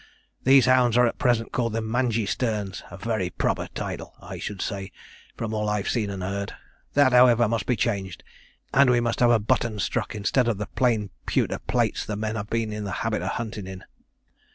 These hounds are at present called the Mangeysternes, a very proper title, I should say, from all I've seen and heard. That, however, must be changed; and we must have a button struck, instead of the plain pewter plates the men have been in the habit of hunting in.